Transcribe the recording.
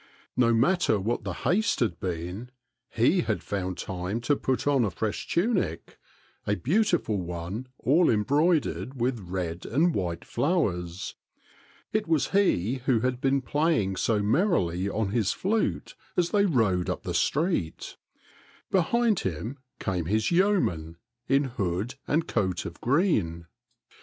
No matter what the haste had been, 6e had found time to put on a fresh tunic, a beautiful one all em broidered with red and white flowers. It was he who had been playing so merrily on his flute as they rode up the street. Behind him came his yeoman in hood and coat of green.